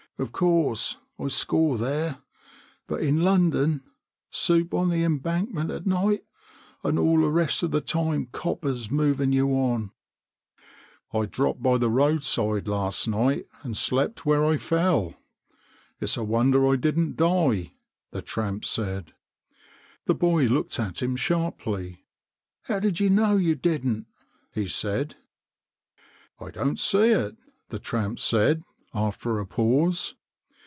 Of course, I score there ; but in London, soup on the Embankment at night, and all the rest of the time coppers moving you on." " I dropped by the roadside last night and slept where I fell. It's a wonder I didn't die," the tramp said. The boy looked at him sharply. " How do you know you didn't ?" he said. " I don't see it," the tramp said, after a pause.